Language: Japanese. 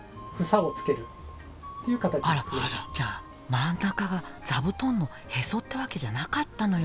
じゃあ真ん中が座布団のへそってわけじゃなかったのよ